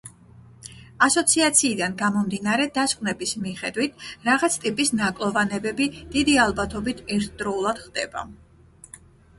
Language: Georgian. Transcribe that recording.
ასოციაციიდან გამომდინარე დასკვნების მიხედვით, რაღაც ტიპის ნაკლოვანებები დიდი ალბათობით ერთდროულად ხდება.